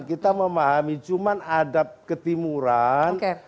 kita memahami cuman adab ketimuran